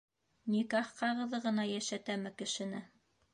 Никах ҡағыҙы ғына йәшәтәме кешене.